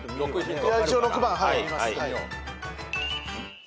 一応６番見ます。